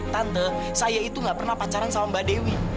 tante saya itu gak pernah pacaran sama mbak dewi